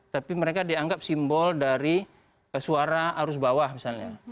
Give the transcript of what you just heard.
tapi mereka dianggap simbol dari suara arus bawah misalnya